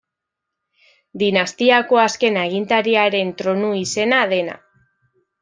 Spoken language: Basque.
Dinastiako azken agintariaren tronu izena dena.